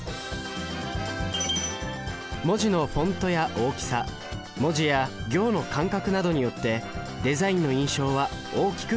文字のフォントや大きさ文字や行の間隔などによってデザインの印象は大きく変わります。